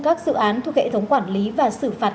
các dự án thuộc hệ thống quản lý và xử phạt